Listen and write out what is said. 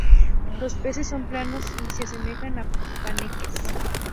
Los peces son planos y se asemejan a panqueques.